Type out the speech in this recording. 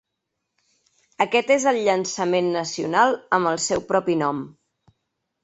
Aquest és el llançament nacional amb el seu propi nom.